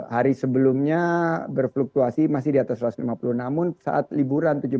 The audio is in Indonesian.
hari sebelumnya berfluktuasi masih di atas satu ratus lima puluh namun saat liburan tujuh belas